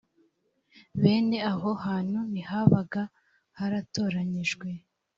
bene aho hantu ntihabaga haratoranyijwe